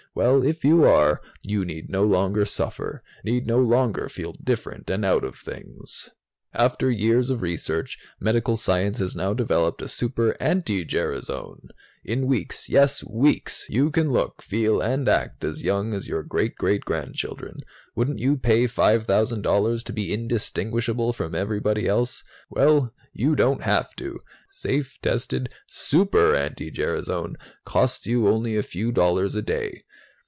Well, if you are, you need no longer suffer, need no longer feel different and out of things. "After years of research, medical science has now developed Super anti gerasone! In weeks yes, weeks you can look, feel and act as young as your great great grandchildren! Wouldn't you pay $5,000 to be indistinguishable from everybody else? Well, you don't have to. Safe, tested Super anti gerasone costs you only a few dollars a day.